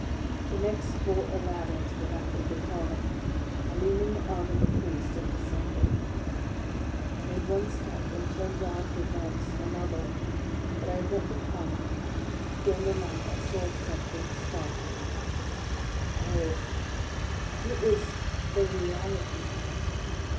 They next brought a ladder to the back of the cart. I leaned on the arm of the Priest and descended. I made one step, and turned round to advance another, but I had not the power; beyond the lamp I saw something startling. ... Oh, it was THE REALITY!